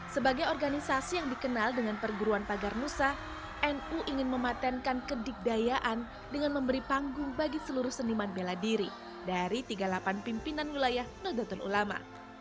sebagai organisasi yang dikenal dengan perguruan pagar nusa nu ingin mematenkan kedikdayaan dengan memberi panggung bagi seluruh seniman bela diri dari tiga puluh delapan pimpinan wilayah nadatul ulama